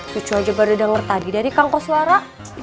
cucu aja baru denger tadi dari kangkos suara